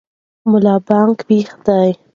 ملا بانګ ویښ دی.